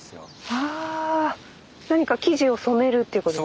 はあ何か生地を染めるっていうこと？